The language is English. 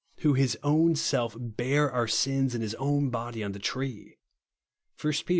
"Who his own self bare our sins in his own body on the treo," (1 Pet.